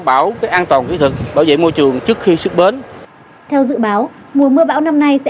bảo an toàn kỹ thuật bảo vệ môi trường trước khi xuất bến theo dự báo mùa mưa bão năm nay sẽ